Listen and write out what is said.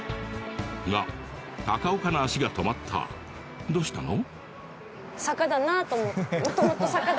が高岡の足が止まったどうしたの？